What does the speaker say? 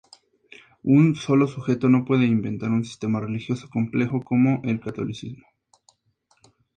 Un solo sujeto no puede inventar un sistema religioso complejo como el catolicismo.